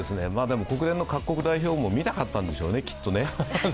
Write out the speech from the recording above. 国連の各国代表も見たかったんでしょうね、きっとね。